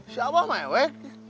si abah mewek